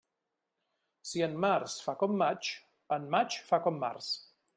Si en març fa com maig, en maig fa com març.